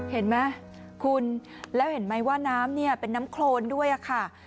เห็นไหมคุณแล้วเห็นไหมว่าน้ำเนี่ยเป็นน้ำโครนด้วยค่ะ